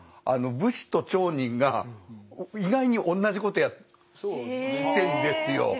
武士と町人が意外に同じことやってんですよ。